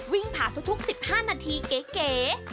วิ่งผ่าทุก๑๕นาทีเก๋